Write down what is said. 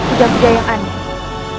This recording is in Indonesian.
udah berjaya aneh